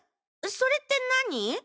それって何？